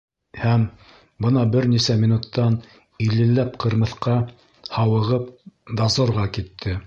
Һәм, бына бер нисә минуттан иллеләп ҡырмыҫҡа, һауығып, дозорға китте.